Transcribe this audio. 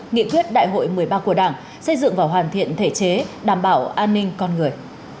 nghị quyết đại hội một mươi ba của đảng xây dựng và hoàn thiện thể chế đảm bảo an ninh con người